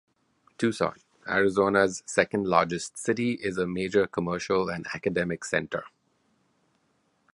Tucson, Arizona's second largest city, is a major commercial and academic center.